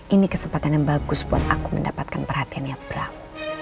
ini kesempatan yang bagus buat aku mendapatkan perhatiannya bram